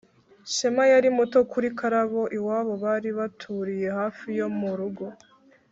shema yari muto kuri karabo. iwabo bari baturiye hafi yo mu rugo